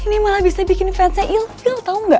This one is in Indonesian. ini malah bisa bikin fansnya ilkill tau gak